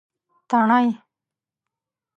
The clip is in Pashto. تڼۍ